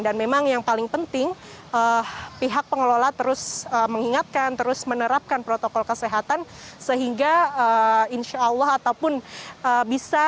dan memang yang paling penting pihak pengelola terus mengingatkan terus menerapkan protokol kesehatan sehingga insya allah ataupun bisa diantisipasi begitu tidak ada